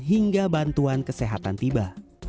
hingga bantuan kesehatan tiba